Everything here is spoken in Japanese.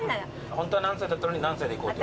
ホントは何歳だったのに何歳でいこうって？